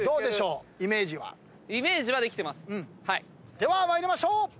では参りましょう。